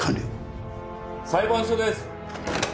裁判所です。